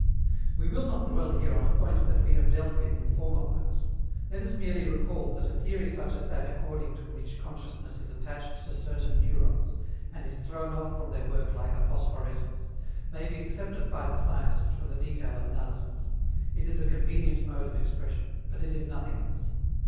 We will not dwell here on a point that we have dealt with in former works. Let us merely recall that a theory such as that according to which consciousness is attached to certain neurons, and is thrown off from their work like a phosphorescence, may be accepted by the scientist for the detail of analysis; it is a convenient mode of expression. But it is nothing else.